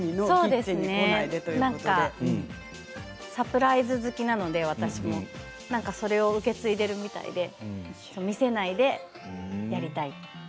私もサプライズ好きなのでそれを、受け継いでいるみたいで見せないでやりたい。